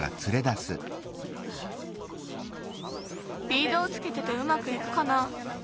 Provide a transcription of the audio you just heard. リードをつけててうまくいくかな。